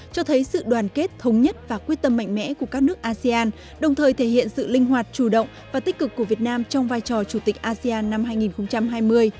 cho thấy sự đoàn kết thống nhất và quyết tâm mạnh mẽ của các nước asean đồng thời thể hiện sự linh hoạt chủ động và tích cực của việt nam trong vai trò chủ tịch asean năm hai nghìn hai mươi